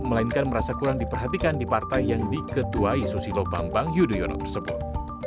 melainkan merasa kurang diperhatikan di partai yang diketuai susilo bambang yudhoyono tersebut